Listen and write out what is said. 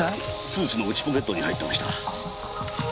スーツの内ポケットに入ってました。